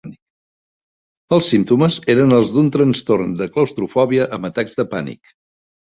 Els símptomes eren els d'un trastorn de claustrofòbia amb atacs de pànic.